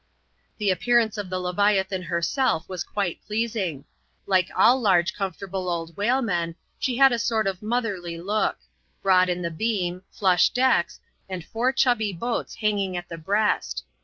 The appearance of the Leviathan herself was quite pleasing. Like ail large, comfortable old whalemen, she had a sort o£ motherly look :— broad in the beam, flush decksy and four chub by boats hanging at the breast.